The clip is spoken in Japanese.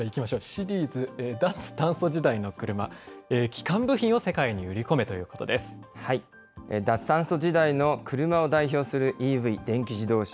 シリーズ脱炭素時代のクルマ、基幹部品を世界に売り込めというこ脱炭素時代の車を代表するＥＶ・電気自動車。